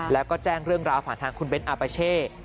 แล้วก็แจ้งเรื่องราวผ่านทางคุณเบ้นอาปาเช่